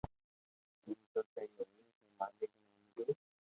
ايم تو سھي ھوئئي جي مالڪ ني منظو